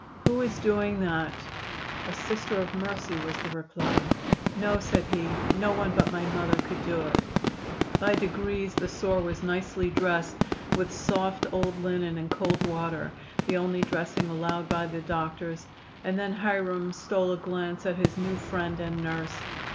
"Who is doing that?" "A Sister of Mercy," was the reply. "No," said he, "no one but my mother could do it." By degrees the sore was nicely dressed with soft old linen and cold water the only dressing allowed by the doctors and then Hiram stole a glance at his new friend and nurse.